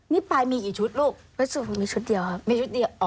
นี่ไปมีกี่ชุดลูกเว็ดซูตมีชุดเดียวครับมีชุดเดียวอ๋อ